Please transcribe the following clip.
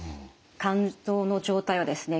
肝臓の状態はですね